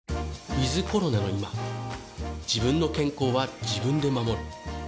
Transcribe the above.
ウィズコロナの今自分の健康は自分で守る。